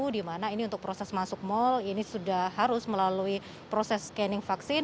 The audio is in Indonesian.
di mana ini untuk proses masuk mal ini sudah harus melalui proses scanning vaksin